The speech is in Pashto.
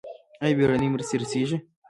آیا بیړنۍ مرستې رسیږي؟